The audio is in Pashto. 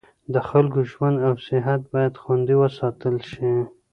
د خلکو ژوند او صحت باید خوندي وساتل شي.